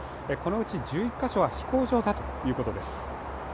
このうち１１カ所は飛行場だということです。